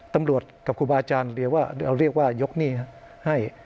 ตำรวจกับครูบาอาจารย์เรียกว่าเราเรียกว่ายกหนี้ให้